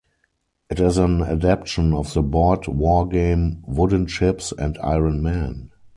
It is an adaptation of the board wargame "Wooden Ships and Iron Men".